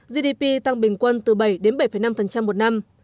gdp tăng bình quân từ bảy đến bảy năm một năm